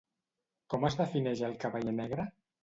Com es defineix el Cavaller negre?